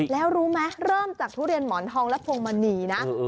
แล้วรู้ไหมเริ่มจากทุเรียนหมอนทองและพวงมณีนะ